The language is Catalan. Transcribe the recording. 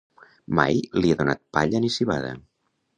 Mai li he donat palla ni civada.